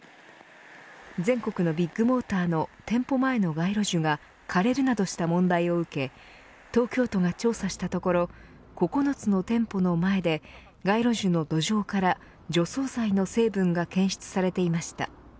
全国のビッグモーターの店舗前の街路樹が枯れるなどした問題を受け東京都が調査したところ９つの店舗の前で街路樹の土壌から除草剤の成分が検出されていました。